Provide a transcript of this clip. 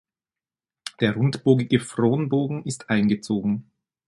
Der rundbogige Fronbogen ist eingezogen.